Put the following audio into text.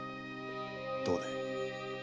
どうだい？